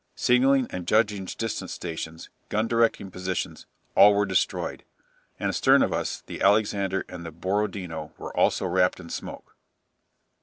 Signalling and judging distance stations, gun directing positions, all were destroyed. And astern of us the 'Alexander' and the 'Borodino' were also wrapped in smoke."